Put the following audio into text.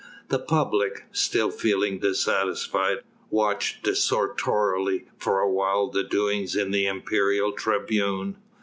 The public still feeling dissatisfied watched desultorily for a while the doings in the imperial tribune.